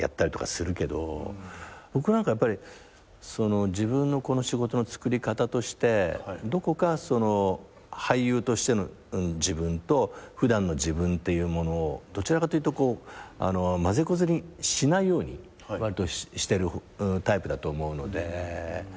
僕なんかやっぱり自分の仕事のつくり方としてどこか俳優としての自分と普段の自分っていうものをどちらかというとまぜこぜにしないようにしてるタイプだと思うので。